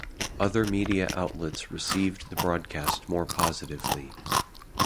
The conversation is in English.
Other media outlets received the broadcast more positively.